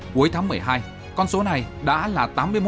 cuối tháng một mươi hai con số này đã là tám mươi một